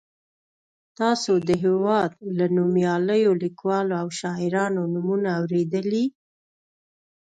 تاسو د هېواد له نومیالیو لیکوالو او شاعرانو نومونه اورېدلي.